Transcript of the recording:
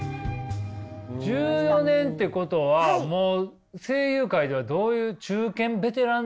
１４年ってことはもう声優界ではどういう中堅ベテランとか？